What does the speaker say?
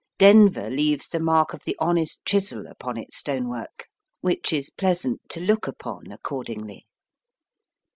Denver leaves the mark of the honest chisel upon its stonework, which is pleasant to look upon accordingly.